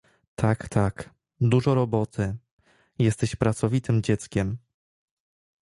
— Tak, tak, dużo roboty… jesteś pracowitym dzieckiem!